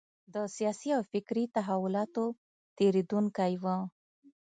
د سیاسي او فکري تحولاتو تېرېدونکی و.